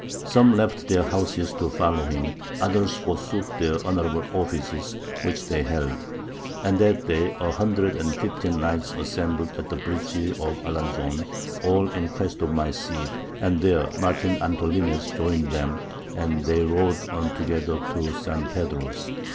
Some left their houses to follow him, others forsook their honourable offices which they held. And that day a hundred and fifteen knights assembled at the bridge of Arlanzon, all in quest of my Cid; and there Martin Antolinez joined them, and they rode on together to St. Pedro's.